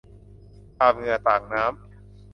อาบเหงื่อต่างน้ำ